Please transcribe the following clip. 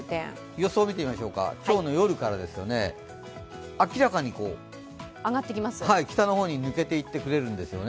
予想を見てみましょうか、今日の夜からですね、明らかに北の方に抜けていってくれるんですよね。